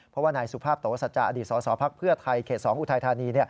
เพราะว่านายสุภาพโตศัตริย์อดีตสศพไทยเขต๒อุทัยธานี